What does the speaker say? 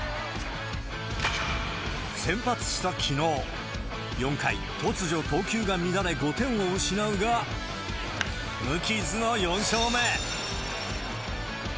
先発したきのう、４回、突如投球が乱れ５点を失うが、無傷の４勝目。